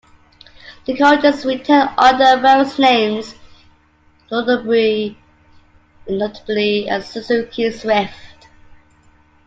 The Cultus retailed under various names globally, notably as the Suzuki Swift.